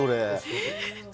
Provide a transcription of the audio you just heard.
えっ？